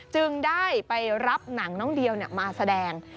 จึงได้ไปรับหนังน้องเดียวมาแสดง